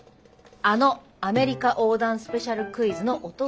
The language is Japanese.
あのアメリカ横断スペシャルクイズのオトワヤ版。